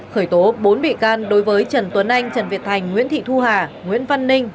khởi tố bốn bị can đối với trần tuấn anh trần việt thành nguyễn thị thu hà nguyễn văn ninh